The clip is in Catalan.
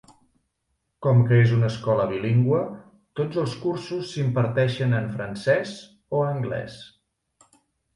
Com que és una escola bilingüe, tots els cursos s'imparteixen en francès o anglès.